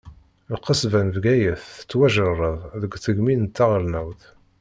Lqesba n Bgayet tettwajerred deg tegmi taɣelnawt.